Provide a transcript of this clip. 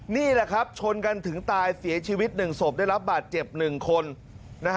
นี่แหละครับชนกันถึงตายเสียชีวิตหนึ่งศพได้รับบาดเจ็บ๑คนนะฮะ